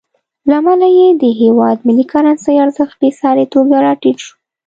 له امله یې د هېواد ملي کرنسۍ ارزښت بېساري توګه راټیټ شو.